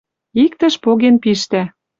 Иктӹш поген пиштӓ.